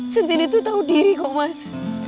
centini tuh tahu diri kok mas